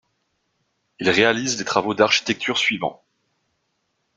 Il réalise les travaux d'architecture suivants.